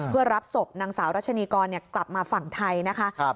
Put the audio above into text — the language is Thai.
เพื่อรับศพนางสาวรัชนีกรกลับมาฝั่งไทยนะคะ